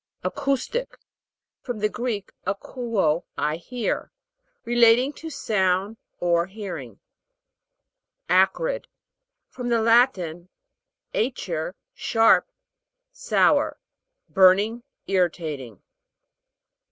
ACOU'STIC. From the Greek, akoud, I hear. "Relating to sound, or hearing. A'CRID. From the Latin, acer, sharp, sour. Burning, irritating.